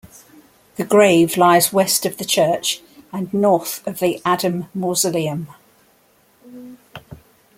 The grave lies west of the church and north of the Adam mausoleum.